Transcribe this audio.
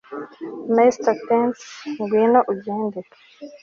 mesty tempest, ngwino ugende